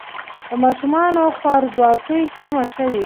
د ماشومانو خوارځواکي کمه شوې؟